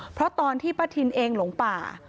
เพราะตอนที่ป้าทินเองหลงป่า